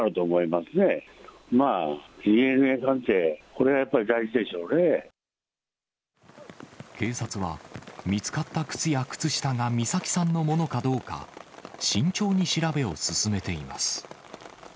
まあ、ＤＮＡ鑑定、これがやっぱ警察は、見つかった靴や靴下が美咲さんのものかどうか、慎重に調べを進めています。